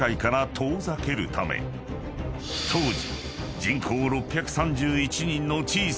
［当時］